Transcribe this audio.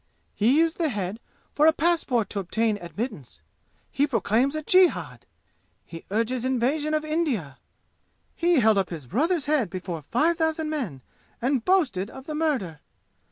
He used the head for a passport to obtain admittance. He proclaims a jihad! He urges invasion of India! He held up his brother's head before five thousand men and boasted of the murder.